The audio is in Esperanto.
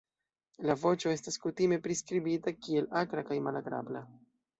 La voĉo estas kutime priskribita kiel akra kaj malagrabla.